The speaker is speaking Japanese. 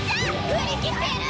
振り切ってやる！